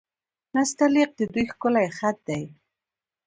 نستعلیق د دوی ښکلی خط دی.